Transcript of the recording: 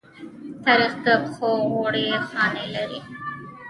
تاریخ د پښو غوړې خاڼې لري.